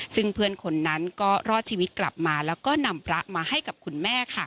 ซึ่งเพื่อนคนนั้นก็รอดชีวิตกลับมาแล้วก็นำพระมาให้กับคุณแม่ค่ะ